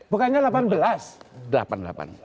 bukannya delapan belas delapan puluh delapan